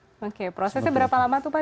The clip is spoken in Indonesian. oke prosesnya berapa lama tuh pak